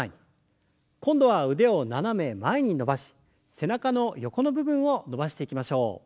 今度は腕を斜め前に伸ばし背中の横の部分を伸ばしていきましょう。